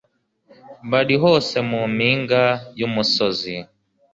bari hose mu mpinga y'umusozi